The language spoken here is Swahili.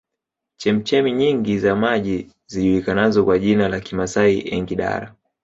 Chemchemi nyingi za maji zijulikanazo kwa jina la Kimasai Engidara